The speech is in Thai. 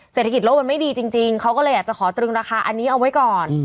เศรษฐกิจโลกมันไม่ดีจริงเขาก็เลยอยากจะขอตรึงราคาอันนี้เอาไว้ก่อน